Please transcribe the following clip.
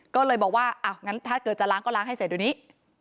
ก็เลยบอกว่าอ่ะงั้นถ้าเกิดจะล้างก็ล้างให้เสร็จเดี๋ยวนี้